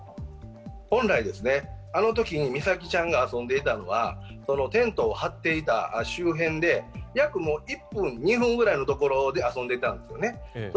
本来、あのときに美咲ちゃんが遊んでいたのはテントを張っていた周辺で、約１分、２分ぐらいのところで遊んでいたんですね。